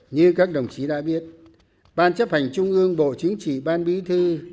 như các đồng chí đã biết ban chấp hành trung ương bộ chính trị ban bí thư